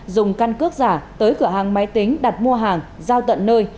dùng căn cước giả tới cửa hàng máy tính đặt mua hàng giao tận nơi